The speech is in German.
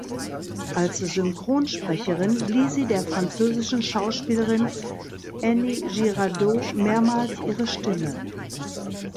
Als Synchronsprecherin lieh sie der französischen Schauspielerin Annie Girardot mehrmals ihre Stimme.